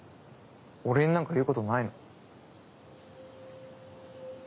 俺になんか言うことないの？